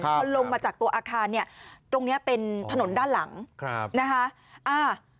พอลงมาจากตัวอาคารตรงนี้เป็นถนนด้านหลังนะคะ